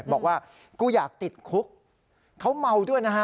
บอกว่ากูอยากติดคุกเขาเมาด้วยนะฮะ